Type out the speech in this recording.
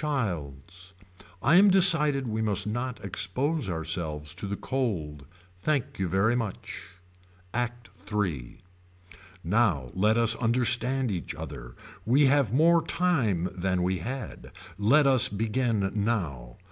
Childs. I am decided we must not expose ourselves to the cold. Thank you very much. ACT III. Now let us understand each other. We have more time than we had. Let us begin now.